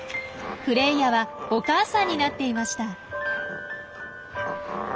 フレイヤはお母さんになっていました。